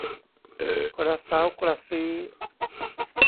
กระเซ้ากระซี้